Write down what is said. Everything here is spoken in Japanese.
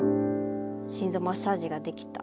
心臓マッサージができた。